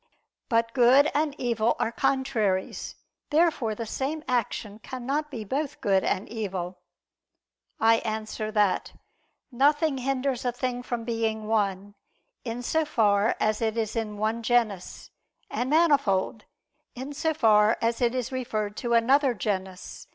But good and evil are contraries. Therefore the same action cannot be both good and evil. I answer that, Nothing hinders a thing from being one, in so far as it is in one genus, and manifold, in so far as it is referred to another genus.